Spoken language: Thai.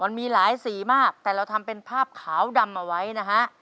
มันมีหลายสีมากแต่เราทำเป็นภาพขาวดำเอาไว้นะฮะ